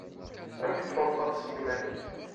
Amek tḥulfaḍ s yiman-ik?